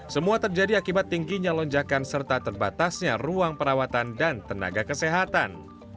semua terjadi akibat tingginya lonjakan serta terbatasnya ruang perawatan dan tenaga kesehatan